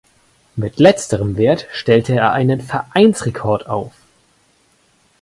Mit letzterem Wert stellte er einen Vereinsrekord auf.